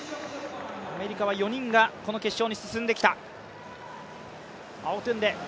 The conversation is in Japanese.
アメリカはこの４人が決勝に進んできた。